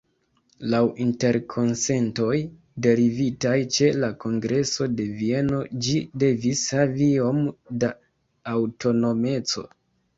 Laŭ interkonsentoj derivitaj ĉe la Kongreso de Vieno ĝi devis havi iom da aŭtonomeco.